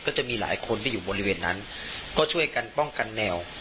ก็จะมีหลายคนที่อยู่บริเวณนั้นก็ช่วยกันป้องกันแนว